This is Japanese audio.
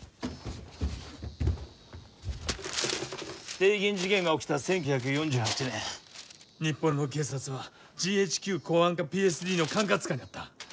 帝銀事件が起きた１９４８年日本の警察はＧＨＱ公安課ＰＳＤの管轄下にあった。